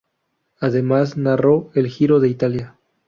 Además narró el Giro de Italia.